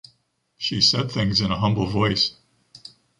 She said things in a humble voice.